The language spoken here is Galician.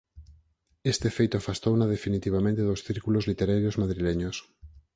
Este feito afastouna definitivamente dos círculos literarios madrileños.